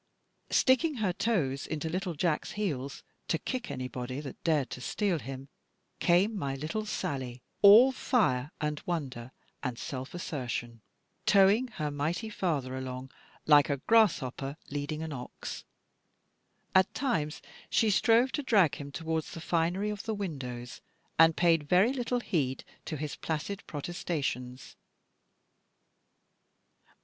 Sticking her toes into little Jack's heels, to kick anybody that dared to steal him, came my little Sally, all fire, and wonder, and self assertion, towing her mighty father along, like a grasshopper leading an ox. At times she strove to drag him towards the finery of the windows, and paid very little heed to his placid protestations.